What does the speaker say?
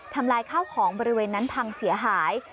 ลายข้าวของบริเวณนั้นพังเสียหาย